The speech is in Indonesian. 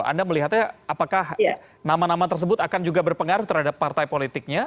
anda melihatnya apakah nama nama tersebut akan juga berpengaruh terhadap partai politiknya